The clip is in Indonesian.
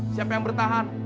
siapa yang bertahan